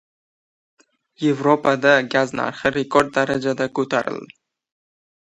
Evropada gaz narxi rekord darajada ko‘tarildi